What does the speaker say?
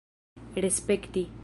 respekti